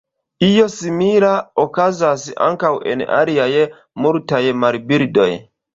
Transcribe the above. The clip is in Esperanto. Io simila okazas ankaŭ en aliaj multaj marbirdoj.